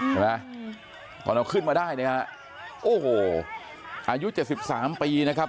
เห็นมั้ยตอนเราขึ้นมาได้นะครับโอ้โหอายุเจ็ดสิบสามปีนะครับ